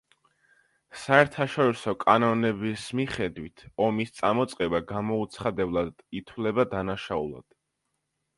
საერთაშორისო კანონების მიხედვით ომის წამოწყება გამოუცხადებლად, ითვლება დანაშაულად.